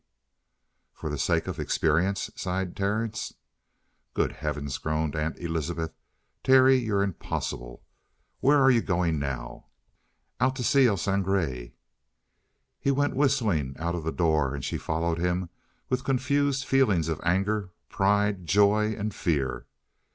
"For the sake of experience?" sighed Terence. "Good heavens!" groaned Aunt Elizabeth. "Terry, you're impossible! Where are you going now?" "Out to see El Sangre." He went whistling out of the door, and she followed him with confused feelings of anger, pride, joy, and fear.